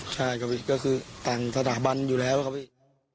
ช่าก็คือตังศพบัสดิ์อยู่แล้วครับพี่